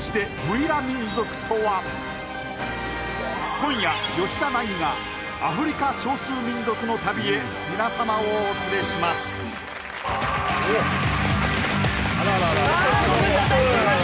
今夜ヨシダナギがアフリカ少数民族の旅へ皆様をお連れしますわあご無沙汰してます